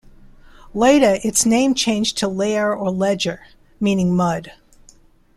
Later its name changed to Leire or Leger, meaning 'mud'.